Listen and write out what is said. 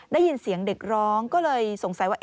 ได้ยินเสียงเด็กร้องก็เลยสงสัยว่า